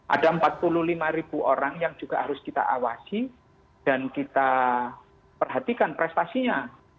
ada empat puluh lima ribu orang yang juga harus kita awasi dan kita perhatikan prestasinya